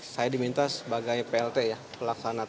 saya diminta sebagai plt ya pelaksana tugas